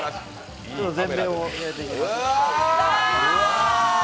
全面を焼いていきます。